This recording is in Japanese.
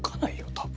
多分。